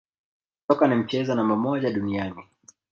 Soka ni mchezo namba moja duniani